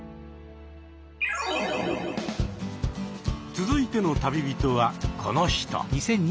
続いての旅人はこの人。